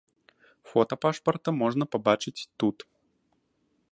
Фота пашпарта можна пабачыць тут.